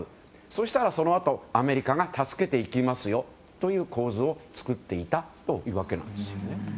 そしたらそのあとアメリカが助けにいきますよという構図を作っていたというわけです。